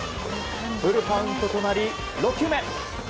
フルカウントとなり、６球目。